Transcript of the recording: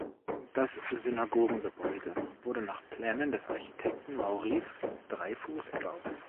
Das Synagogengebäude wurde nach Plänen des Architekten Maurice Dreyfus erbaut.